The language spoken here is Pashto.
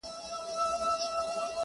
د کتاب لیکنه درته خپره کړم